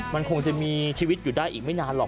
มันคงจะมีชีวิตอยู่ได้อีกไม่นานหรอก